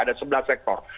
ada sebelas sektor